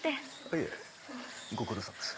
いえご苦労さまです。